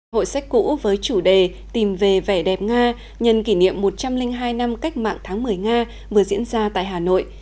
hội sách cũ với chủ đề tìm về vẻ đẹp nga nhân kỷ niệm một trăm linh hai năm cách mạng tháng một mươi nga vừa diễn ra tại hà nội